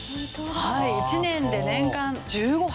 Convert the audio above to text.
はい１年で年間１５箱。